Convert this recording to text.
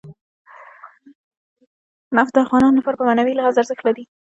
نفت د افغانانو لپاره په معنوي لحاظ ارزښت لري.